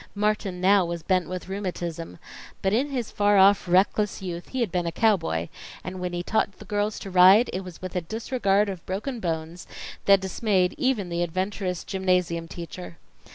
Martin now was bent with rheumatism, but in his far off reckless youth he had been a cowboy, and when he taught the girls to ride, it was with a disregard of broken bones that dismayed even the adventurous gymnasium teacher.